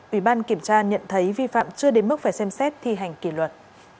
ủy ban kiểm tra nhận thấy vi phạm chưa đến mức phải xem xét thi hành kỷ luật